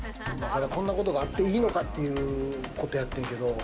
こんなことがあっていいのか？ということやってんけれど。